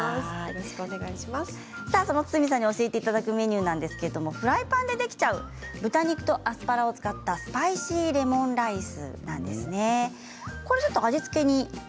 教えていただくメニューはフライパンでできちゃう豚肉とアスパラを使ったスパイシーレモンライスです。